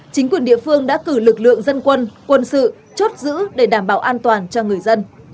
chính quyền địa phương đã cử lực lượng dân quân quân sự chốt giữ để đảm bảo an toàn cho người dân